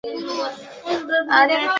কহিল, আচ্ছা, সে তোমাকে কিছুই ভাবিতে হইবে না।